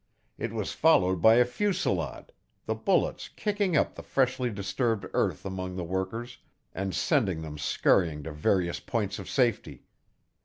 It was followed by a fusillade, the bullets kicking up the freshly disturbed earth among the workers and sending them scurrying to various points of safety.